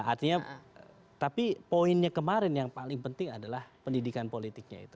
artinya tapi poinnya kemarin yang paling penting adalah pendidikan politiknya itu